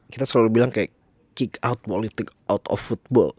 kita selalu bilang kayak kick out politik out of football